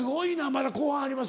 まだ後半あります